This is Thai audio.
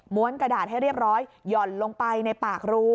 กระดาษให้เรียบร้อยหย่อนลงไปในปากรู